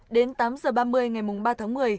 đến tám h ba mươi ngày ba tháng một mươi